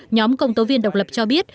nhóm công tố viên độc lập cho biết